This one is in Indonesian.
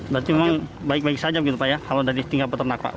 berarti memang baik baik saja begitu pak ya kalau dari tingkat peternak pak